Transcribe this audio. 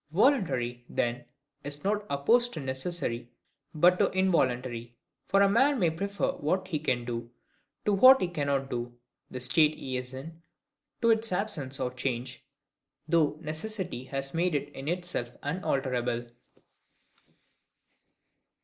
Voluntary, then, is not opposed to necessary but to involuntary. For a man may prefer what he can do, to what he cannot do; the state he is in, to its absence or change; though necessity has made it in itself unalterable.